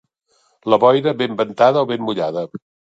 La boira, ben ventada o ben mullada.